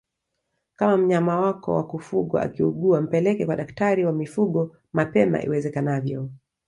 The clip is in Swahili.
Kama mnyama wako wa kufugwa akiugua mpeleke kwa daktari wa mifugo mapema iwezekanavyo